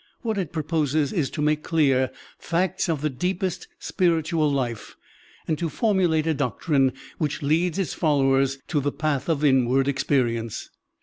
What it proposes is to make clear facts of the deepest spiritual life and to formulate a doctrine which leads its followers to the path of inward experience.